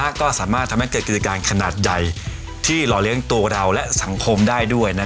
ก็สามารถทำให้เกิดกิจการขนาดใหญ่ที่หล่อเลี้ยงตัวเราและสังคมได้ด้วย